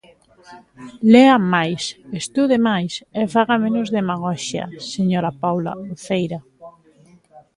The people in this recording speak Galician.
Lea máis, estude máis e faga menos demagoxia, señora Paula Uceira.